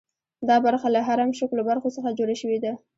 دا برخه له هرم شکلو برخو څخه جوړه شوې ده.